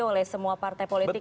oleh semua partai politik